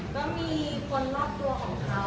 ก็มีคนรอบตัวของเขา